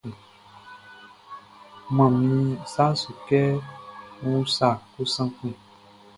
N man min sa su kɛ ń úsa kosan kun.